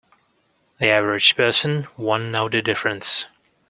The average person won't know the difference.